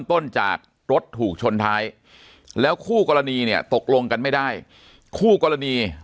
ต้นจากรถถูกชนท้ายแล้วคู่กรณีเนี่ยตกลงกันไม่ได้คู่กรณี